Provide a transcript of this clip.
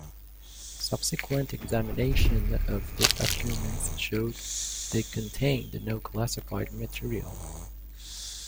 Subsequent examination of the documents showed they contained no classified material.